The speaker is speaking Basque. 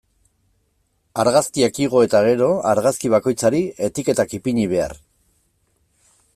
Argazkiak igo eta gero, argazki bakoitzari etiketak ipini behar.